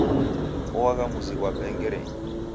Oagha muzi ghwape Ngerenyi.